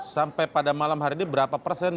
sampai pada malam hari ini berapa persen dua partai